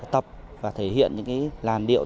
tập và thể hiện những làn điệu